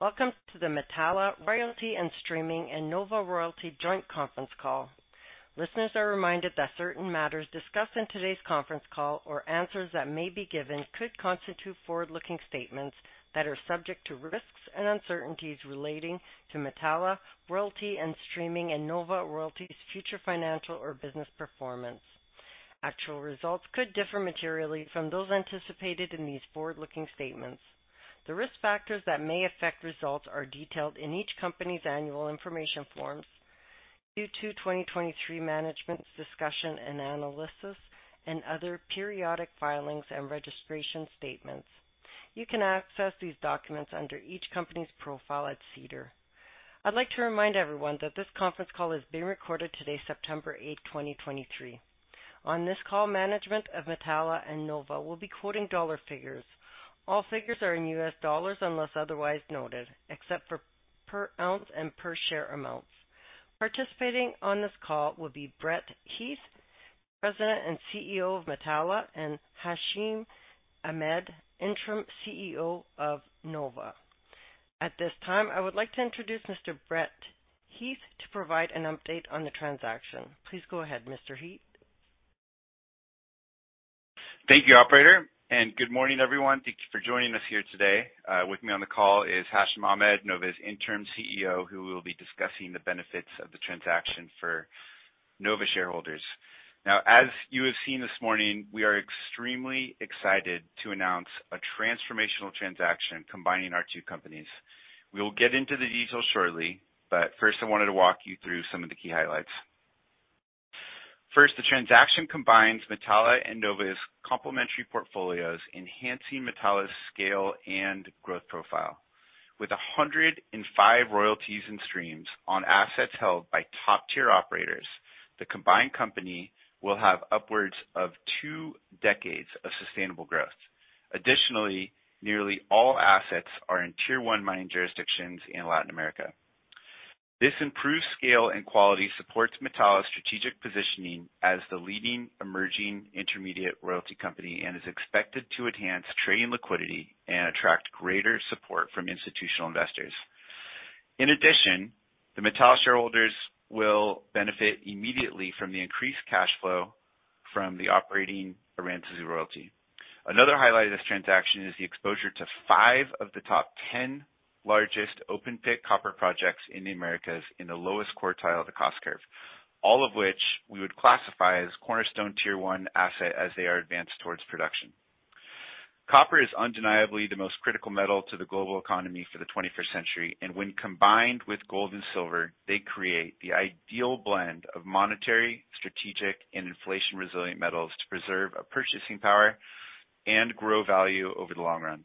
Welcome to the Metalla Royalty and Streaming and Nova Royalty joint conference call. Listeners are reminded that certain matters discussed in today's conference call, or answers that may be given, could constitute forward-looking statements that are subject to risks and uncertainties relating to Metalla Royalty and Streaming and Nova Royalty's future financial or business performance. Actual results could differ materially from those anticipated in these forward-looking statements. The risk factors that may affect results are detailed in each company's annual information forms, Q2 2023 Management's Discussion and Analysis, and other periodic filings and registration statements. You can access these documents under each company's profile at SEDAR+. I'd like to remind everyone that this conference call is being recorded today, September 8, 2023. On this call, management of Metalla and Nova will be quoting dollar figures. All figures are in U.S. dollars unless otherwise noted, except for per ounce and per share amounts. Participating on this call will be Brett Heath, President and CEO of Metalla, and Hashim Ahmed, Interim CEO of Nova. At this time, I would like to introduce Mr. Brett Heath to provide an update on the transaction. Please go ahead, Mr. Heath. Thank you, operator, and good morning, everyone. Thank you for joining us here today. With me on the call is Hashim Ahmed, Nova's interim CEO, who will be discussing the benefits of the transaction for Nova shareholders. Now, as you have seen this morning, we are extremely excited to announce a transformational transaction combining our two companies. We will get into the details shortly, but first, I wanted to walk you through some of the key highlights. First, the transaction combines Metalla and Nova's complementary portfolios, enhancing Metalla's scale and growth profile. With 105 royalties and streams on assets held by top-tier operators, the combined company will have upwards of two decades of sustainable growth. Additionally, nearly all assets are in Tier One mining jurisdictions in Latin America. This improved scale and quality supports Metalla's strategic positioning as the leading emerging intermediate royalty company and is expected to enhance trading liquidity and attract greater support from institutional investors. In addition, the Metalla shareholders will benefit immediately from the increased cash flow from the operating Aranzazu royalty. Another highlight of this transaction is the exposure to five of the top 10 largest open-pit copper projects in the Americas in the lowest quartile of the cost curve, all of which we would classify as cornerstone Tier One asset as they are advanced towards production. Copper is undeniably the most critical metal to the global economy for the twenty-first century, and when combined with gold and silver, they create the ideal blend of monetary, strategic, and inflation-resilient metals to preserve a purchasing power and grow value over the long run.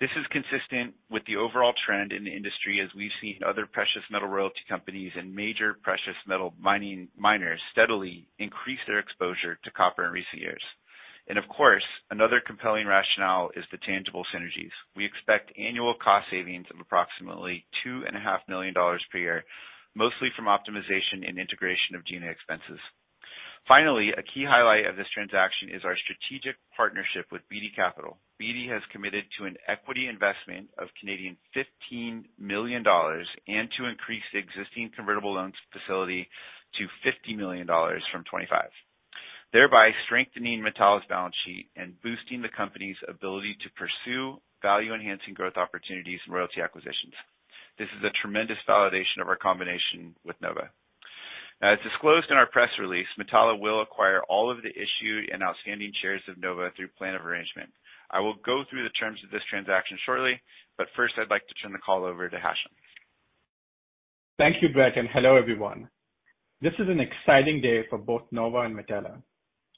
This is consistent with the overall trend in the industry, as we've seen other precious metal royalty companies and major precious metal mining, miners steadily increase their exposure to copper in recent years. Of course, another compelling rationale is the tangible synergies. We expect annual cost savings of approximately $2.5 million per year, mostly from optimization and integration of G&A expenses. Finally, a key highlight of this transaction is our strategic partnership with Beedie Capital. Beedie has committed to an equity investment of 15 million Canadian dollars and to increase the existing convertible loans facility to 50 million dollars from 25 million, thereby strengthening Metalla's balance sheet and boosting the company's ability to pursue value-enhancing growth opportunities and royalty acquisitions. This is a tremendous validation of our combination with Nova. Now, as disclosed in our press release, Metalla will acquire all of the issued and outstanding shares of Nova through Plan of Arrangement. I will go through the terms of this transaction shortly, but first, I'd like to turn the call over to Hashim. Thank you, Brett, and hello, everyone. This is an exciting day for both Nova and Metalla.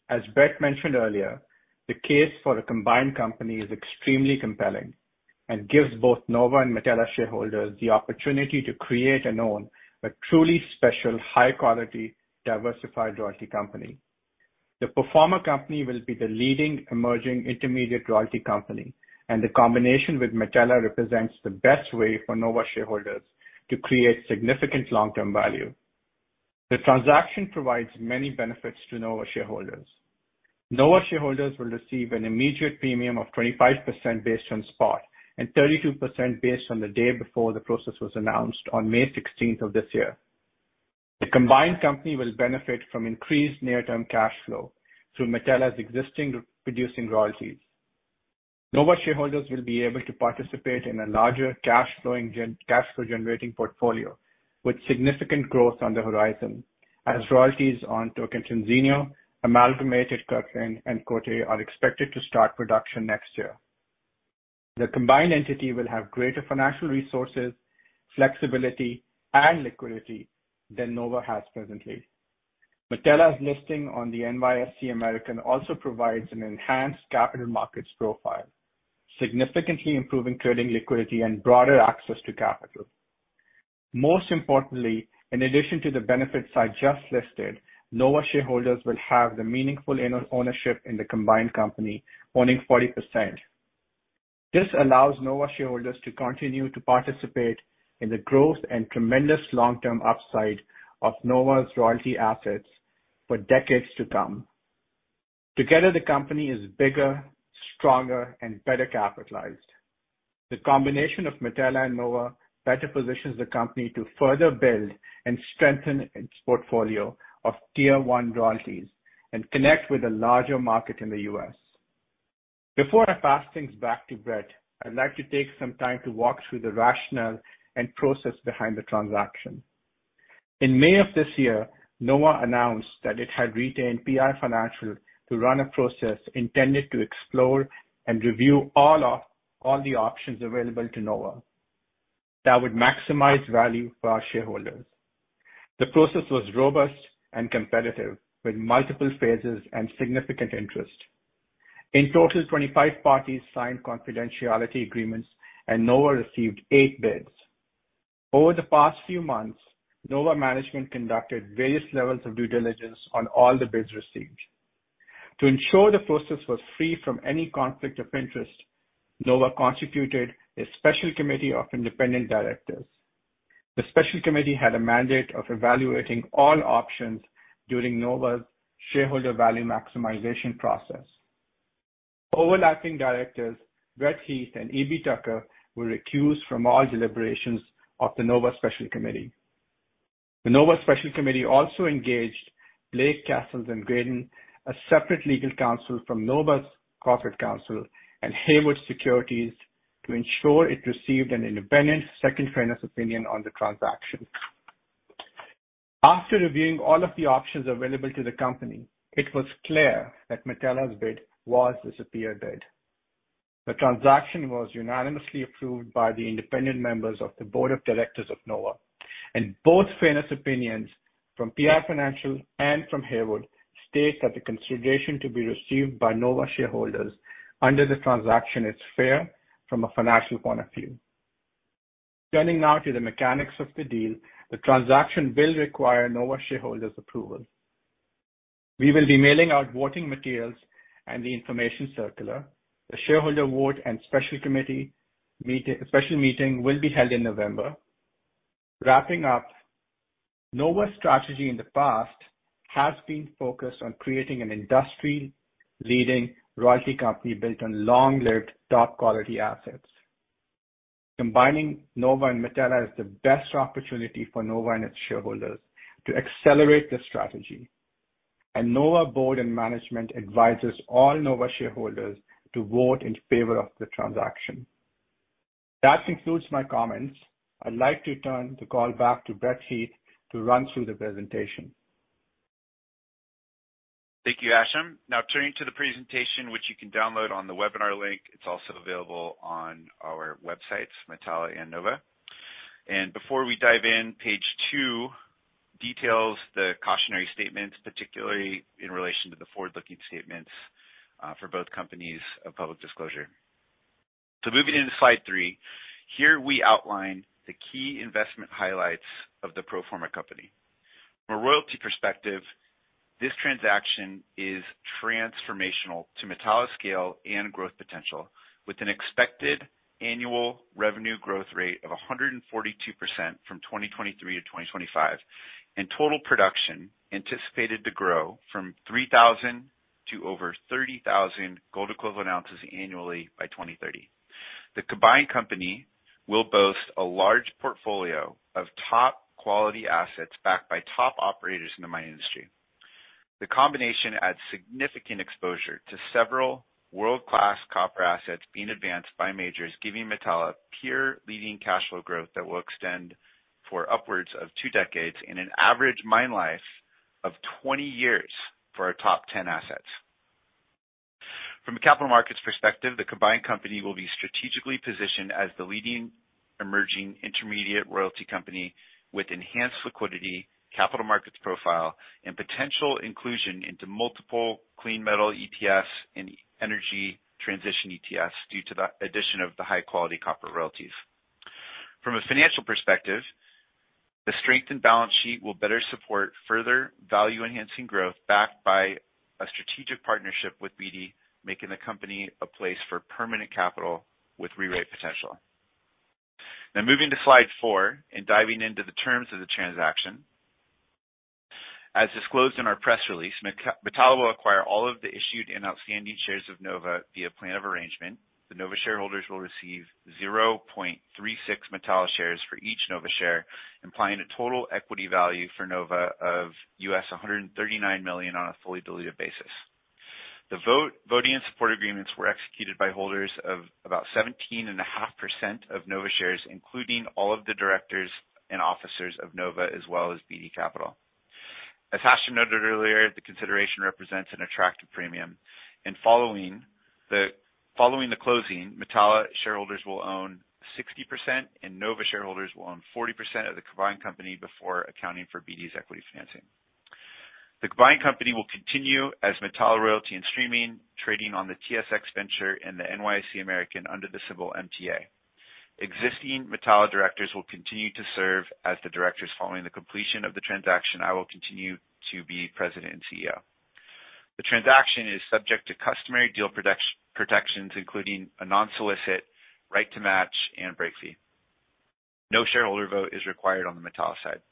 As Brett mentioned earlier, the case for a combined company is extremely compelling and gives both Nova and Metalla shareholders the opportunity to create and own a truly special, high-quality, diversified royalty company. The premier company will be the leading emerging intermediate royalty company, and the combination with Metalla represents the best way for Nova shareholders to create significant long-term value. The transaction provides many benefits to Nova shareholders. Nova shareholders will receive an immediate premium of 25% based on spot, and 32% based on the day before the process was announced on May sixteenth of this year. The combined company will benefit from increased near-term cash flow through Metalla's existing producing royalties. Nova shareholders will be able to participate in a larger cash flowing gen-- cash flow-generating portfolio, with significant growth on the horizon, as royalties on Tocantinzinho, Amalgamated Kirkland, and Côté are expected to start production next year. The combined entity will have greater financial resources, flexibility, and liquidity than Nova has presently. Metalla's listing on the NYSE American also provides an enhanced capital markets profile, significantly improving trading liquidity and broader access to capital. Most importantly, in addition to the benefits I just listed, Nova shareholders will have the meaningful owner-ownership in the combined company, owning 40%. This allows Nova shareholders to continue to participate in the growth and tremendous long-term upside of Nova's royalty assets for decades to come.... Together, the company is bigger, stronger, and better capitalized. The combination of Metalla and Nova better positions the company to further build and strengthen its portfolio of tier one royalties and connect with a larger market in the US. Before I pass things back to Brett, I'd like to take some time to walk through the rationale and process behind the transaction. In May of this year, Nova announced that it had retained PI Financial to run a process intended to explore and review all the options available to Nova that would maximize value for our shareholders. The process was robust and competitive, with multiple phases and significant interest. In total, 25 parties signed confidentiality agreements, and Nova received eight bids. Over the past few months, Nova management conducted various levels of due diligence on all the bids received. To ensure the process was free from any conflict of interest, Nova constituted a special committee of independent directors. The special committee had a mandate of evaluating all options during Nova's shareholder value maximization process. Overlapping directors, Brett Heath and E.B. Tucker, were recused from all deliberations of the Nova special committee. The Nova special committee also engaged Blake, Cassels & Graydon, a separate legal counsel from Nova's corporate counsel and Haywood Securities, to ensure it received an independent second fairness opinion on the transaction. After reviewing all of the options available to the company, it was clear that Metalla's bid was the superior bid. The transaction was unanimously approved by the independent members of the board of directors of Nova, and both fairness opinions from PI Financial and from Haywood state that the consideration to be received by Nova shareholders under the transaction is fair from a financial point of view. Turning now to the mechanics of the deal, the transaction will require Nova shareholders' approval. We will be mailing out voting materials and the information circular. The shareholder vote and special meeting will be held in November. Wrapping up, Nova's strategy in the past has been focused on creating an industry-leading royalty company built on long-lived, top-quality assets. Combining Nova and Metalla is the best opportunity for Nova and its shareholders to accelerate this strategy, and Nova board and management advises all Nova shareholders to vote in favor of the transaction. That concludes my comments. I'd like to turn the call back to Brett Heath to run through the presentation. Thank you, Hashim. Now turning to the presentation, which you can download on the webinar link. It's also available on our websites, Metalla and Nova. Before we dive in, page two details the cautionary statements, particularly in relation to the forward-looking statements, for both companies of public disclosure. Moving into slide 3, here we outline the key investment highlights of the pro forma company. From a royalty perspective, this transaction is transformational to Metalla's scale and growth potential, with an expected annual revenue growth rate of 142% from 2023-2025, and total production anticipated to grow from 3,000 to over 30,000 gold equivalent ounces annually by 2030. The combined company will boast a large portfolio of top-quality assets, backed by top operators in the mining industry. The combination adds significant exposure to several world-class copper assets being advanced by majors, giving Metalla pure leading cash flow growth that will extend for upwards of two decades in an average mine life of 20 years for our top 10 assets. From a capital markets perspective, the combined company will be strategically positioned as the leading emerging intermediate royalty company with enhanced liquidity, capital markets profile, and potential inclusion into multiple clean metal ETFs and energy transition ETFs due to the addition of the high-quality copper royalties. From a financial perspective, the strengthened balance sheet will better support further value-enhancing growth, backed by a strategic partnership with Beedie, making the company a place for permanent capital with re-rate potential. Now, moving to slide four and diving into the terms of the transaction. As disclosed in our press release, Metalla will acquire all of the issued and outstanding shares of Nova via a plan of arrangement. The Nova shareholders will receive 0.36 Metalla shares for each Nova share, implying a total equity value for Nova of $139 million on a fully diluted basis. The voting and support agreements were executed by holders of about 17.5% of Nova shares, including all of the directors and officers of Nova, as well as Beedie Capital. As Asham noted earlier, the consideration represents an attractive premium, and following the closing, Metalla shareholders will own 60% and Nova shareholders will own 40% of the combined company before accounting for Beedie's equity financing. The combined company will continue as Metalla Royalty and Streaming, trading on the TSX Venture and the NYSE American under the symbol MTA. Existing Metalla directors will continue to serve as the directors following the completion of the transaction. I will continue to be President and CEO. The transaction is subject to customary deal protections, including a non-solicit, right to match and break fee. No shareholder vote is required on the Metalla side.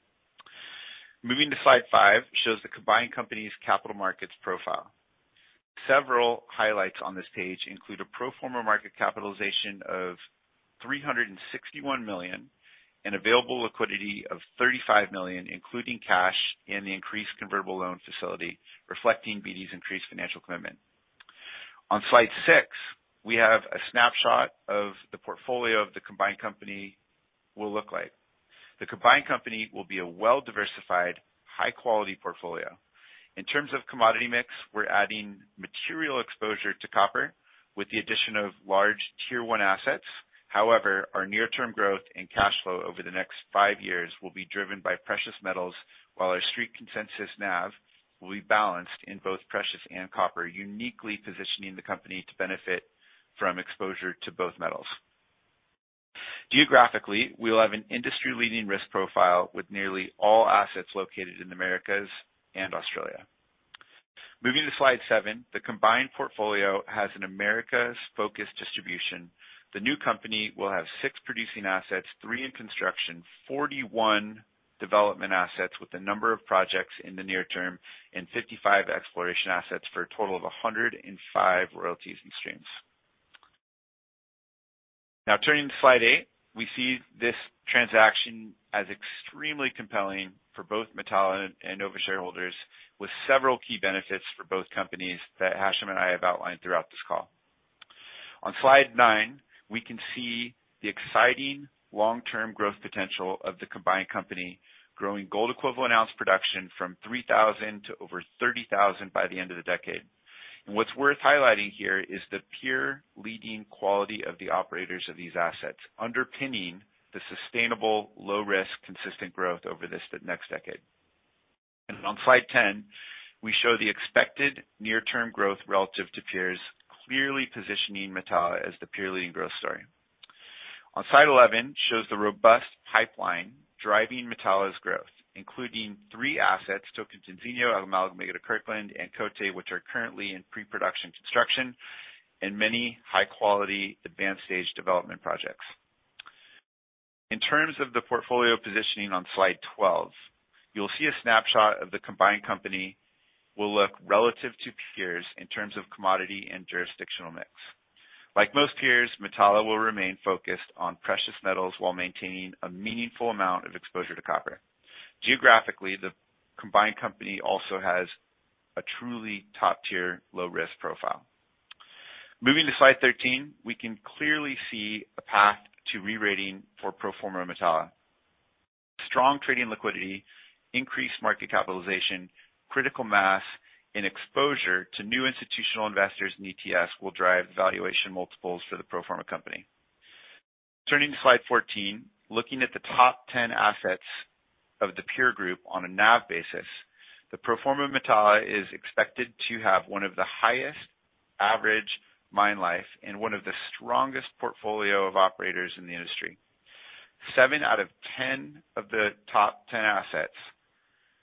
Moving to slide five, shows the combined company's capital markets profile. Several highlights on this page include a pro forma market capitalization of $361 million, and available liquidity of $35 million, including cash and the increased convertible loan facility, reflecting Beedie's increased financial commitment. On slide six, we have a snapshot of the portfolio of the combined company will look like. The combined company will be a well-diversified, high-quality portfolio. In terms of commodity mix, we're adding material exposure to copper with the addition of large Tier One assets. However, our near-term growth and cash flow over the next five years will be driven by precious metals, while our street consensus NAV will be balanced in both precious and copper, uniquely positioning the company to benefit from exposure to both metals. Geographically, we will have an industry-leading risk profile, with nearly all assets located in the Americas and Australia. Moving to slide seven, the combined portfolio has an Americas-focused distribution. The new company will have six producing assets, three in construction, 41 development assets, with a number of projects in the near term, and 55 exploration assets, for a total of 105 royalties and streams. Now, turning to slide 8, we see this transaction as extremely compelling for both Metalla and Nova shareholders, with several key benefits for both companies that Hashim and I have outlined throughout this call. On slide nine, we can see the exciting long-term growth potential of the combined company, growing gold equivalent ounce production from 3,000 to over 30,000 by the end of the decade. What's worth highlighting here is the peer-leading quality of the operators of these assets, underpinning the sustainable, low risk, consistent growth over this, the next decade. On slide 10, we show the expected near-term growth relative to peers, clearly positioning Metalla as the peer-leading growth story. On slide 11, shows the robust pipeline driving Metalla's growth, including three assets, Tocantinzinho, Amalgamated Kirkland, and Côté, which are currently in pre-production construction, and many high-quality, advanced stage development projects. In terms of the portfolio positioning on Slide 12, you'll see a snapshot of the combined company will look relative to peers in terms of commodity and jurisdictional mix. Like most peers, Metalla will remain focused on precious metals while maintaining a meaningful amount of exposure to copper. Geographically, the combined company also has a truly top-tier, low-risk profile. Moving to Slide 13, we can clearly see a path to re-rating for pro forma Metalla. Strong trading liquidity, increased market capitalization, critical mass and exposure to new institutional investors in ETFs will drive valuation multiples for the pro forma company. Turning to Slide 14, looking at the top 10 assets of the peer group on a NAV basis, the pro forma Metalla is expected to have one of the highest average mine life and one of the strongest portfolio of operators in the industry. Seven out of 10 of the top 10 assets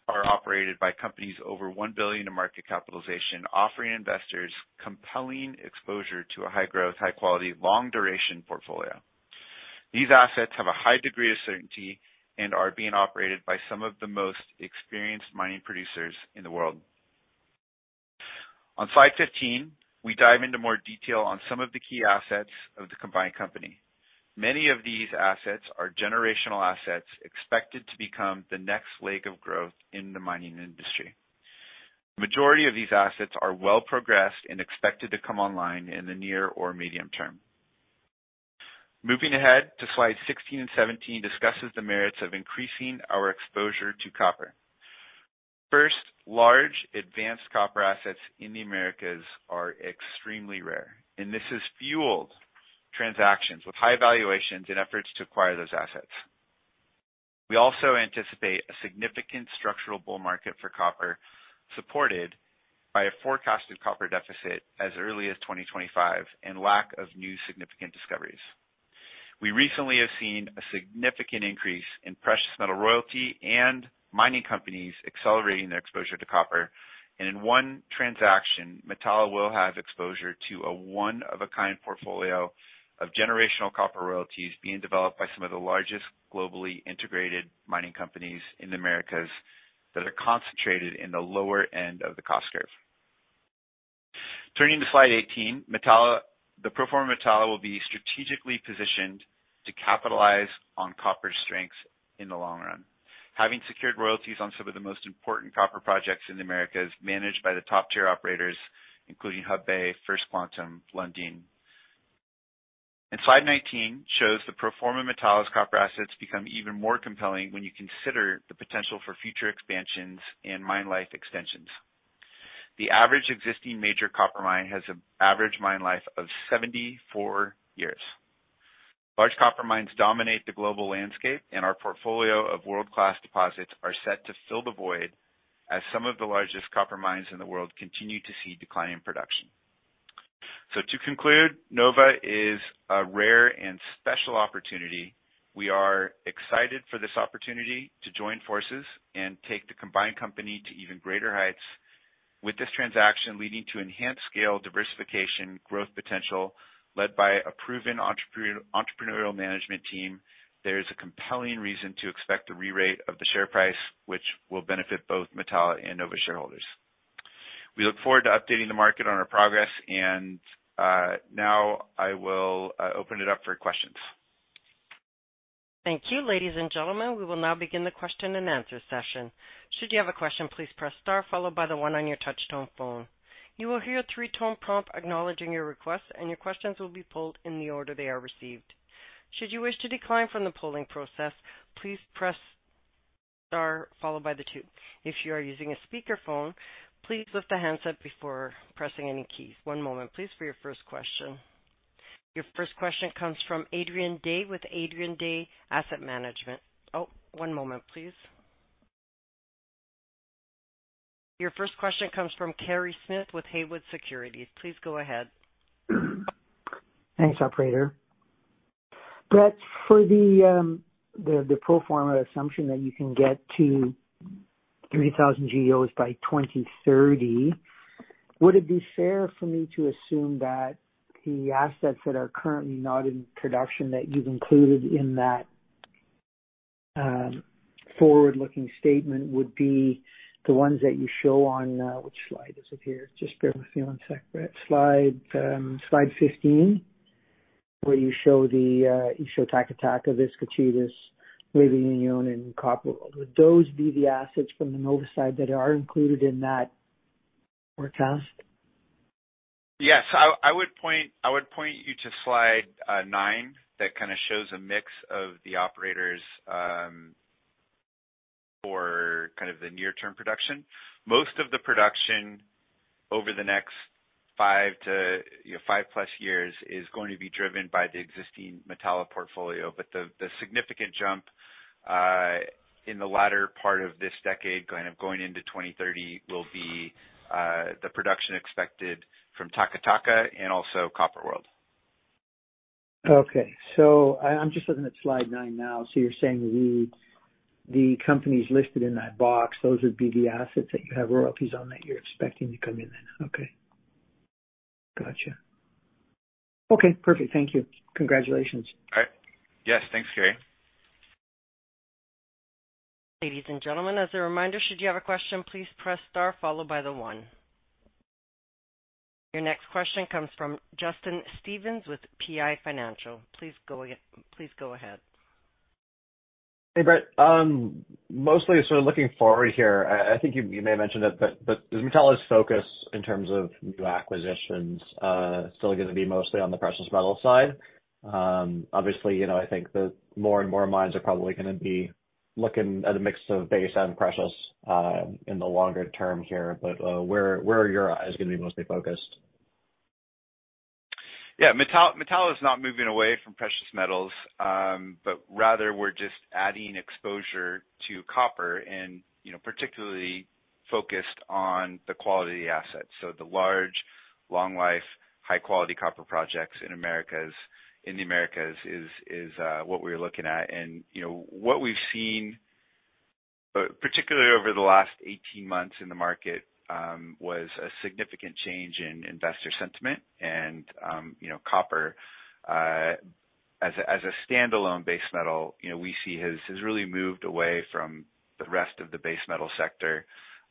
are operated by companies over $1 billion in market capitalization, offering investors compelling exposure to a high-growth, high-quality, long-duration portfolio. These assets have a high degree of certainty and are being operated by some of the most experienced mining producers in the world. On slide 15, we dive into more detail on some of the key assets of the combined company. Many of these assets are generational assets expected to become the next leg of growth in the mining industry. Majority of these assets are well progressed and expected to come online in the near or medium term. Moving ahead to slide 16 and 17 discusses the merits of increasing our exposure to copper. First, large advanced copper assets in the Americas are extremely rare, and this has fueled transactions with high valuations and efforts to acquire those assets. We also anticipate a significant structural bull market for copper, supported by a forecasted copper deficit as early as 2025 and lack of new significant discoveries. We recently have seen a significant increase in precious metal royalty and mining companies accelerating their exposure to copper. In one transaction, Metalla will have exposure to a one-of-a-kind portfolio of generational copper royalties being developed by some of the largest globally integrated mining companies in the Americas that are concentrated in the lower end of the cost curve. Turning to slide 18, Metalla, the pro forma Metalla, will be strategically positioned to capitalize on copper's strengths in the long run. Having secured royalties on some of the most important copper projects in the Americas, managed by the top-tier operators, including Hudbay, First Quantum, Lundin Mining. Slide 19 shows the pro forma Metalla's copper assets become even more compelling when you consider the potential for future expansions and mine life extensions. The average existing major copper mine has an average mine life of 74 years. Large copper mines dominate the global landscape, and our portfolio of world-class deposits are set to fill the void as some of the largest copper mines in the world continue to see declining production. So to conclude, Nova is a rare and special opportunity. We are excited for this opportunity to join forces and take the combined company to even greater heights. With this transaction leading to enhanced scale, diversification, growth potential, led by a proven entrepreneur, entrepreneurial management team, there is a compelling reason to expect a rerate of the share price, which will benefit both Metalla and Nova shareholders. We look forward to updating the market on our progress, and now I will open it up for questions. Thank you. Ladies and gentlemen, we will now begin the question-and-answer session. Should you have a question, please press star followed by the one on your touchtone phone. You will hear a three-tone prompt acknowledging your request, and your questions will be pulled in the order they are received. Should you wish to decline from the polling process, please press star followed by the two. If you are using a speakerphone, please lift the handset before pressing any keys. One moment, please, for your first question. Your first question comes from Adrian Day with Adrian Day Asset Management. Oh, one moment, please. Your first question comes from Kerry Smith with Haywood Securities. Please go ahead. Thanks, operator. Brett, for the pro forma assumption that you can get to 3,000 GEOs by 2030, would it be fair for me to assume that the assets that are currently not in production that you've included in that forward-looking statement would be the ones that you show on which slide is it here? Just bear with me one sec, Brett. Slide 15, where you show Taca Taca, Vizcachitas, NuevaUnión and Copper. Would those be the assets from the Nova side that are included in that forecast? Yes, I would point you to slide 9, that kind of shows a mix of the operators for kind of the near-term production. Most of the production over the next 5 to, you know, 5+ years is going to be driven by the existing Metalla portfolio, but the significant jump in the latter part of this decade, kind of going into 2030, will be the production expected from Taca Taca and also Copper World. Okay, so I'm just looking at slide nine now. So you're saying the companies listed in that box, those would be the assets that you have royalties on, that you're expecting to come in then. Okay. Gotcha. Okay, perfect. Thank you. Congratulations. All right. Yes, thanks, Kerry. Ladies and gentlemen, as a reminder, should you have a question, please press star followed by the one. Your next question comes from Justin Stevens with PI Financial. Please go ahead. Hey, Brett. Mostly sort of looking forward here. I think you may have mentioned it, but does Metalla's focus in terms of new acquisitions still gonna be mostly on the precious metal side? Obviously, you know, I think the more and more mines are probably gonna be looking at a mix of base and precious in the longer term here. But where are your eyes gonna be mostly focused? Yeah, Metalla, Metalla is not moving away from precious metals, but rather we're just adding exposure to copper and, you know, particularly focused on the quality assets. So the large, long life, high quality copper projects in Americas, in the Americas is what we're looking at. And, you know, what we've seen, particularly over the last 18 months in the market, was a significant change in investor sentiment. And, you know, copper, as a, as a standalone base metal, you know, we see has really moved away from the rest of the base metal sector,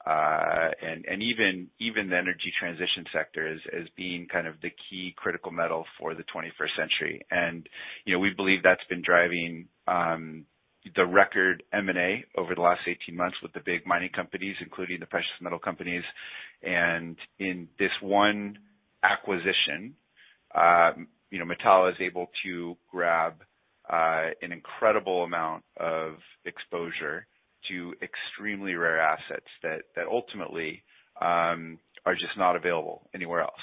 and, and even, even the energy transition sector, as being kind of the key critical metal for the 21st century. You know, we believe that's been driving the record M&A over the last 18 months with the big mining companies, including the precious metal companies. In this one acquisition, you know, Metalla is able to grab an incredible amount of exposure to extremely rare assets that ultimately are just not available anywhere else.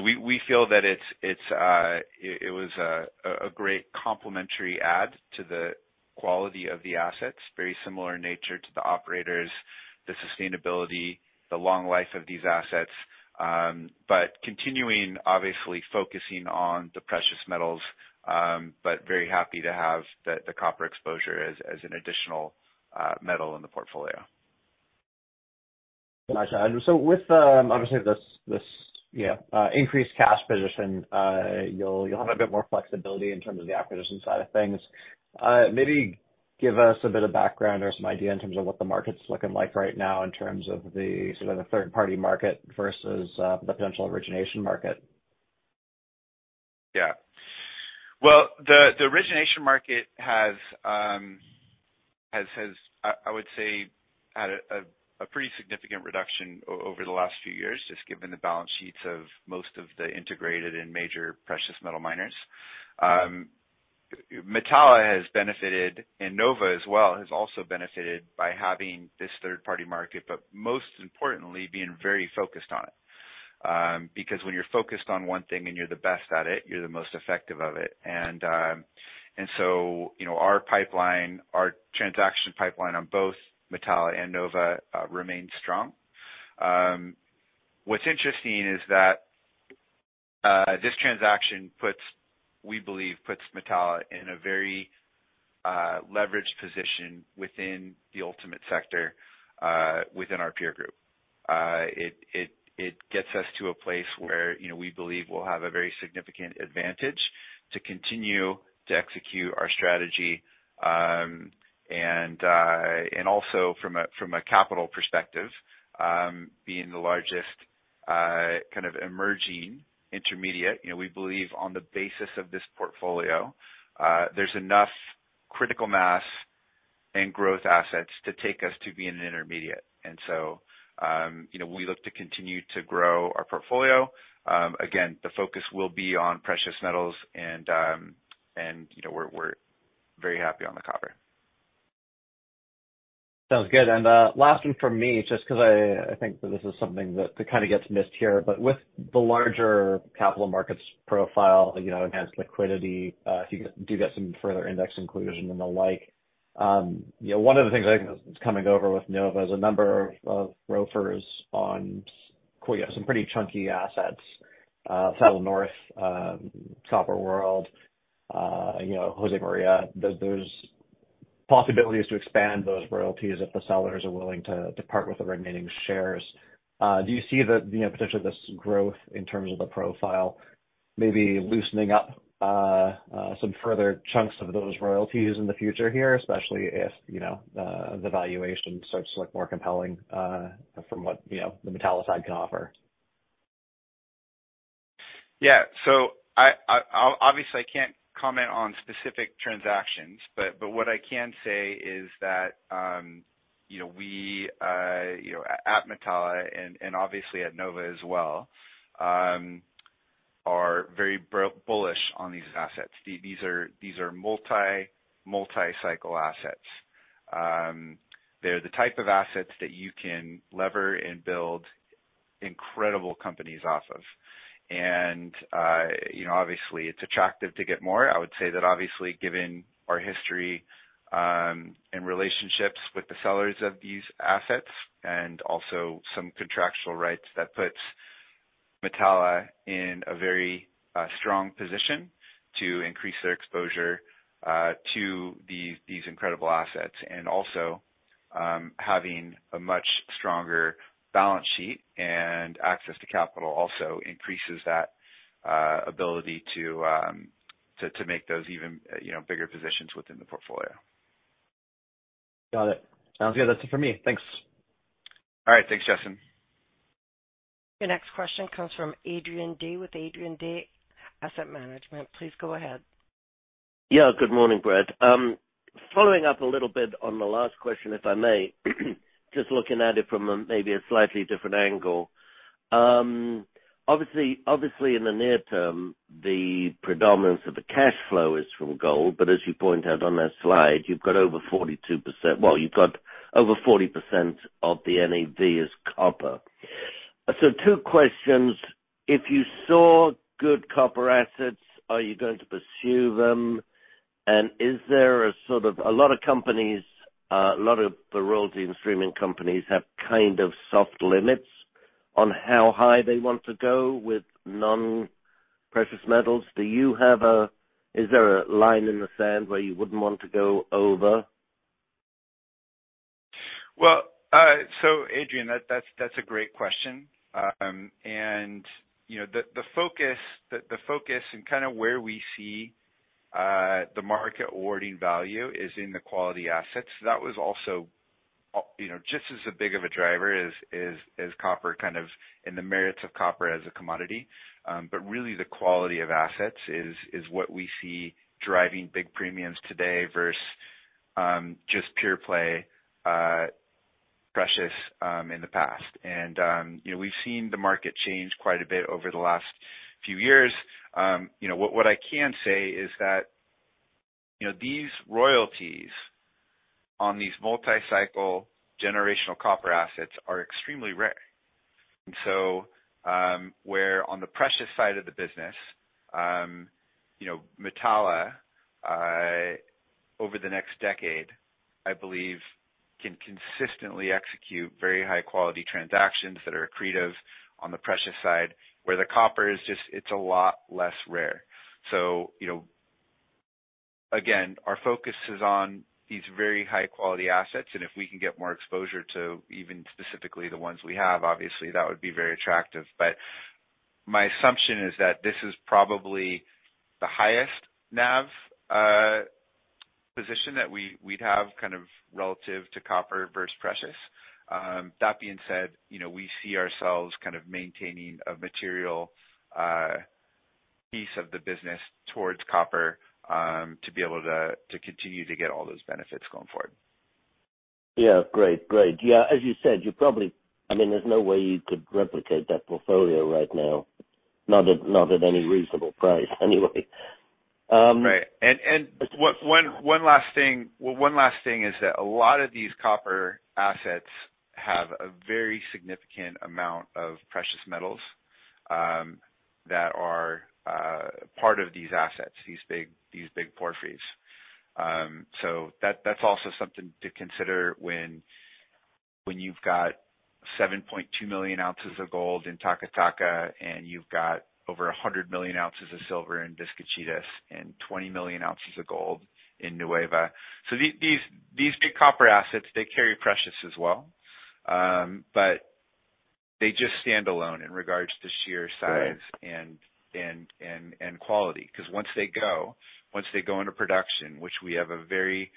We feel that it was a great complementary add to the quality of the assets, very similar in nature to the operators, the sustainability, the long life of these assets, but continuing, obviously focusing on the precious metals, but very happy to have the copper exposure as an additional metal in the portfolio. Gotcha. And so with obviously this increased cash position, you'll have a bit more flexibility in terms of the acquisition side of things. Maybe give us a bit of background or some idea in terms of what the market's looking like right now in terms of the sort of third-party market versus the potential origination market. Yeah. Well, the origination market has had a pretty significant reduction over the last few years, just given the balance sheets of most of the integrated and major precious metal miners. Metalla has benefited, and Nova as well, has also benefited by having this third-party market, but most importantly, being very focused on it. Because when you're focused on one thing and you're the best at it, you're the most effective of it. And so, you know, our pipeline, our transaction pipeline on both Metalla and Nova, remains strong. What's interesting is that this transaction puts, we believe, puts Metalla in a very leveraged position within the ultimate sector, within our peer group. It gets us to a place where, you know, we believe we'll have a very significant advantage to continue to execute our strategy. And also from a capital perspective, being the largest kind of emerging intermediate, you know, we believe on the basis of this portfolio, there's enough critical mass and growth assets to take us to be an intermediate. And so, you know, we look to continue to grow our portfolio. Again, the focus will be on precious metals and, you know, we're very happy on the copper. Sounds good. And last one from me, just because I think that this is something that kind of gets missed here, but with the larger capital markets profile, you know, enhanced liquidity, if you do get some further index inclusion and the like, you know, one of the things I think is coming over with Nova is a number of ROFRs on some pretty chunky assets, Saddle North, Copper World, you know, Josemaria. There's possibilities to expand those royalties if the sellers are willing to depart with the remaining shares. Do you see the, you know, potentially this growth in terms of the profile, maybe loosening up some further chunks of those royalties in the future here? Especially if, you know, the valuation starts to look more compelling, from what, you know, the Metalla side can offer. Yeah. So I obviously can't comment on specific transactions, but what I can say is that, you know, we, you know, at Metalla and obviously at Nova as well, are very bullish on these assets. These are these are multi-cycle assets. They're the type of assets that you can lever and build incredible companies off of. And, you know, obviously, it's attractive to get more. I would say that obviously, given our history and relationships with the sellers of these assets, and also some contractual rights, that puts Metalla in a very strong position to increase their exposure to these incredible assets. Also, having a much stronger balance sheet and access to capital also increases that ability to make those even, you know, bigger positions within the portfolio. Got it. Sounds good. That's it for me. Thanks. All right. Thanks, Justin. Your next question comes from Adrian Day, with Adrian Day Asset Management. Please go ahead. Yeah, good morning, Brett. Following up a little bit on the last question, if I may. Just looking at it from a, maybe a slightly different angle. Obviously, obviously, in the near term, the predominance of the cash flow is from gold, but as you pointed out on that slide, you've got over 42%-- Well, you've got over 40% of the NAV is copper. So two questions: If you saw good copper assets, are you going to pursue them? And is there a sort of... A lot of companies, a lot of the royalty and streaming companies have kind of soft limits on how high they want to go with non-precious metals. Do you have is there a line in the sand where you wouldn't want to go over? Well, so Adrian, that's a great question. And, you know, the focus and kind of where we see the market awarding value is in the quality assets. That was also, you know, just as big of a driver as copper, kind of in the merits of copper as a commodity. But really, the quality of assets is what we see driving big premiums today versus just pure play precious in the past. And, you know, we've seen the market change quite a bit over the last few years. You know, what I can say is that, you know, these royalties on these multi-cycle generational copper assets are extremely rare. Where on the precious side of the business, you know, Metalla over the next decade, I believe, can consistently execute very high-quality transactions that are accretive on the precious side, where the copper is just, it's a lot less rare. So, you know, again, our focus is on these very high-quality assets, and if we can get more exposure to even specifically the ones we have, obviously that would be very attractive. But my assumption is that this is probably the highest NAV position that we'd have kind of relative to copper versus precious. That being said, you know, we see ourselves kind of maintaining a material piece of the business towards copper to be able to continue to get all those benefits going forward. Yeah. Great, great. Yeah, as you said, I mean, there's no way you could replicate that portfolio right now, not at, not at any reasonable price anyway. Right. And one last thing. One last thing is that a lot of these copper assets have a very significant amount of precious metals that are part of these assets, these big porphyries. So that's also something to consider when you've got 7.2 million ounces of gold in Taca Taca, and you've got over 100 million ounces of silver in Vizcachitas, and 20 million ounces of gold in Nueva. So these big copper assets, they carry precious as well. But they just stand alone in regards to sheer size- Right. and quality. Because once they go into production, which we have a very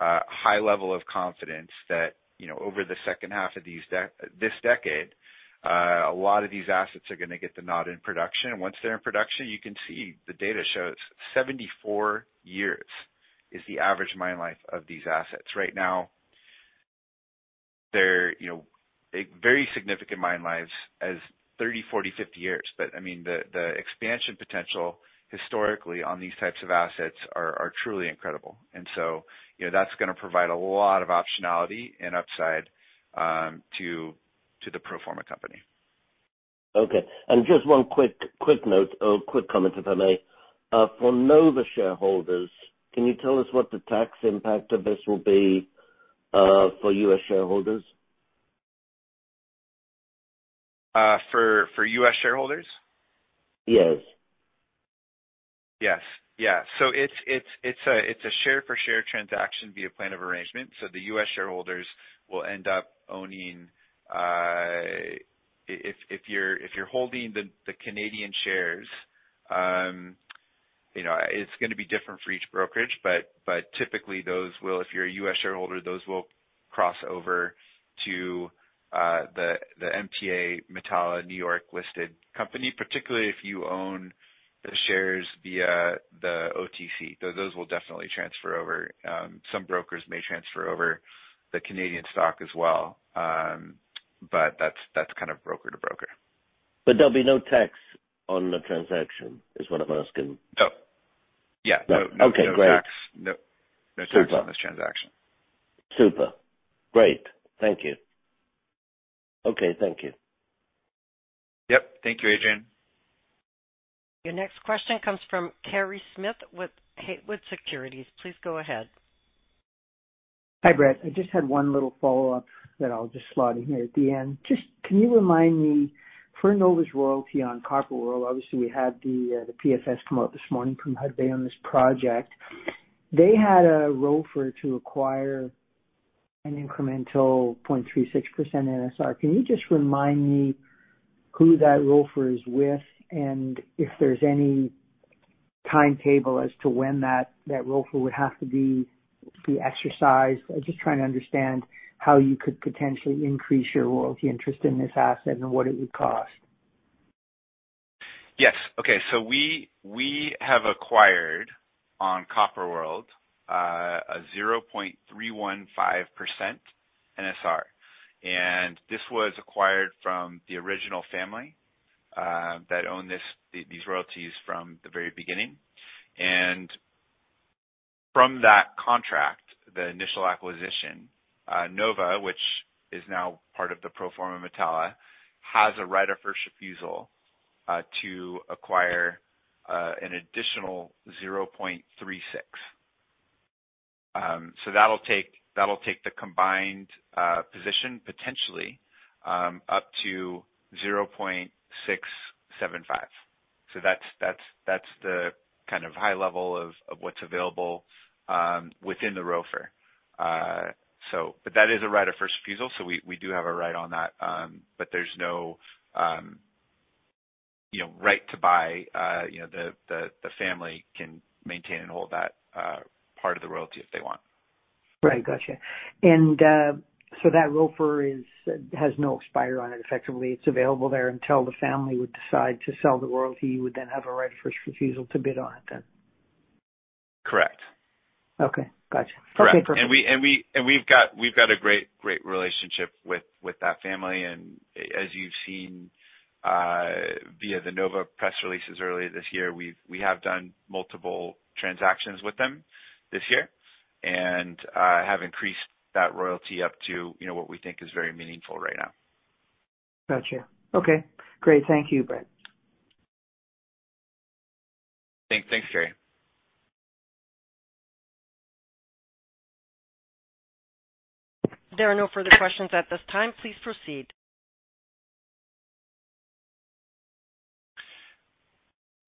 high level of confidence that, you know, over the second half of this decade, a lot of these assets are going to get the nod in production. Once they're in production, you can see the data shows 74 years is the average mine life of these assets. Right now, they're, you know, a very significant mine lives as 30, 40, 50 years. But I mean, the expansion potential historically on these types of assets is truly incredible. And so, you know, that's going to provide a lot of optionality and upside to the pro forma company. Okay. And just one quick, quick note or quick comment, if I may. For Nova shareholders, can you tell us what the tax impact of this will be, for U.S. shareholders? For U.S. shareholders? Yes. Yes. Yeah. So it's a share for share transaction via Plan of Arrangement. So the U.S. shareholders will end up owning, if you're holding the Canadian shares, you know, it's going to be different for each brokerage, but typically those will—if you're a U.S. shareholder, those will cross over to the MTA Metalla New York listed company, particularly if you own the shares via the OTC. Those will definitely transfer over. Some brokers may transfer over the Canadian stock as well, but that's kind of broker to broker. There'll be no tax on the transaction, is what I'm asking? No. Yeah. Okay, great. No tax. No, no tax on this transaction. Super. Great. Thank you. Okay, thank you. Yep. Thank you, Adrian. Your next question comes from Kerry Smith with Haywood Securities. Please go ahead. Hi, Brett. I just had one little follow-up that I'll just slot in here at the end. Just, can you remind me, for Nova's royalty on Copper World, obviously, we had the the PFS come out this morning from Hudbay on this project. They had a ROFR to acquire an incremental 0.36% NSR. Can you just remind me who that ROFR is with, and if there's any timetable as to when that ROFR would have to be exercised? I'm just trying to understand how you could potentially increase your royalty interest in this asset and what it would cost. Yes. Okay. So we, we have acquired on Copper World, a 0.315% NSR, and this was acquired from the original family, that owned this, these royalties from the very beginning. And from that contract, the initial acquisition, Nova, which is now part of the pro forma Metalla, has a right of first refusal, to acquire, an additional 0.36. So that'll take, that'll take the combined, position potentially, up to 0.675. So that's, that's, that's the kind of high level of, of what's available, within the ROFR. So, but that is a right of first refusal, so we, we do have a right on that. But there's no, you know, right to buy. You know, the family can maintain and hold that part of the royalty if they want. Right. Gotcha. And so that ROFR has no expiration on it. Effectively, it's available there until the family would decide to sell the royalty, you would then have a right of first refusal to bid on it then? Correct. Okay. Gotcha. Correct. Okay, perfect. And we've got a great relationship with that family. And as you've seen, via the Nova press releases earlier this year, we have done multiple transactions with them this year and have increased that royalty up to, you know, what we think is very meaningful right now. Gotcha. Okay, great. Thank you, Brett. Thanks, Kerry. There are no further questions at this time. Please proceed.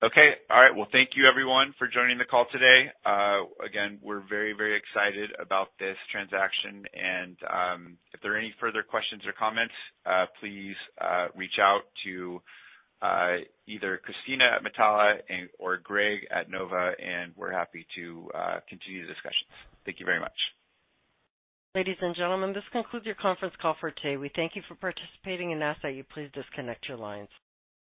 Okay. All right. Well, thank you everyone for joining the call today. Again, we're very, very excited about this transaction, and if there are any further questions or comments, please reach out to either Kristina at Metalla or Greg at Nova, and we're happy to continue the discussions. Thank you very much. Ladies and gentlemen, this concludes your conference call for today. We thank you for participating and ask that you please disconnect your lines.